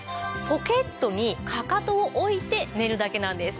ポケットにかかとを置いて寝るだけなんです。